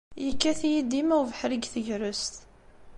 Yekkat-iyi dima ubeḥri deg tegrest.